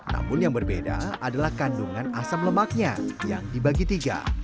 namun yang berbeda adalah kandungan asam lemaknya yang dibagi tiga